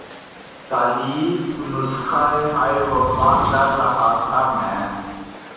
تالیف نسخہ ہائے وفا کر رہا تھا میں